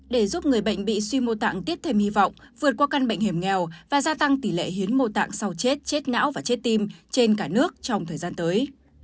để giúp người bệnh bị suy mô tạng tiếp thêm hy vọng vượt qua căn bệnh hiểm nghèo và gia tăng tỷ lệ hiến mô tạng sau chết chết não và chết tim trên cả nước trong thời gian tới